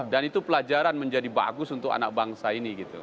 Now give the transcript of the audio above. dan itu pelajaran menjadi bagus untuk anak bangsa ini